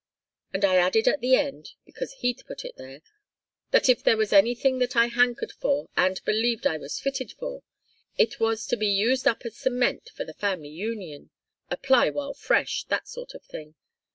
And I added at the end because he'd put it there that if there was any thing that I hankered for and believed I was fitted for, it was to be used up as cement for the family union 'apply while fresh' that sort of thing.